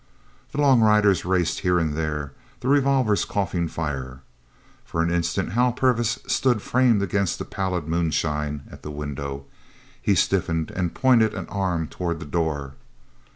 The long riders raced here and there, the revolvers coughing fire. For an instant Hal Purvis stood framed against the pallid moonshine at the window. He stiffened and pointed an arm toward the door.